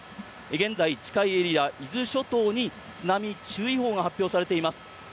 現在、近いエリア伊豆諸島に津波注意報が発表されています。